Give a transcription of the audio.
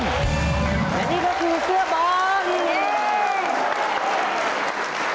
และนี่ก็คือเสื้อบอล